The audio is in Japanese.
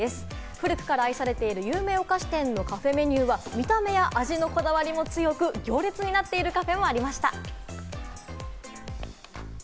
古くから愛されている有名お菓子店のカフェメニューは見た目や味のこだわりも強く、行列になっているカフェもありました。